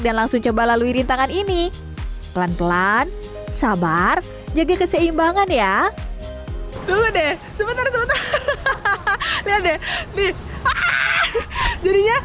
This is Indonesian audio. dan langsung coba lalui rintangan ini pelan pelan sabar jaga keseimbangan ya dulu deh sebetulnya